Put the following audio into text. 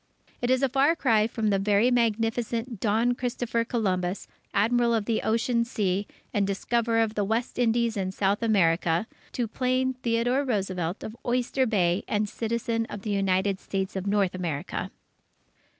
It is a far cry from the Very Magnificent Don Christopher Columbus, Admiral of the Ocean Sea, and discoverer of the West Indies and South America, to plain Theodore Roosevelt of Oyster Bay and citizen of the United States of North America.